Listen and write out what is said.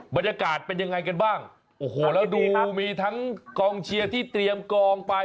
บรรยากาศเป็นยังไงกันบ้างโอ้โหแล้วดูมีทั้งกองเชียร์ที่เตรียมกองไป